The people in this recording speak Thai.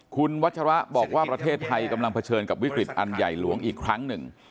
คุณวัชระบอกว่าประเทศไทยกำลังเผชิญกับวิกฤตอันใหญ่หลวงอีกครั้งหนึ่ง